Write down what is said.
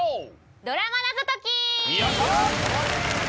ドラマ謎解き！